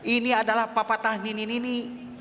ini adalah papa tahninin ini